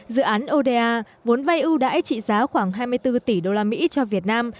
dự án oda vốn vay ưu đãi trị giá khoảng hai mươi bốn tỷ đô la mỹ cho việt nam